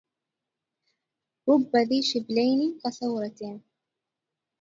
رب ذي شبلين قسورة